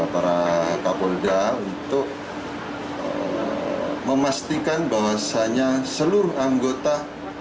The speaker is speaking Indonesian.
para kapolda untuk memastikan bahwasannya seluruh anggota